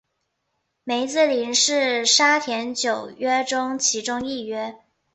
梅子林是沙田九约中其中一约。